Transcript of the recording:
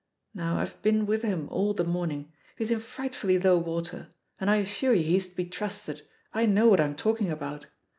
Now IVe been with him all the morning; he's in frightfully low water, and I assure you he's to be trusted — I know what I'm talking about.